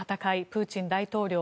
プーチン大統領